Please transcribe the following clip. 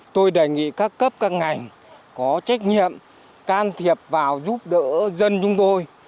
tôi đề nghị các cấp các ngành có trách nhiệm can thiệp vào giúp đỡ dân chúng tôi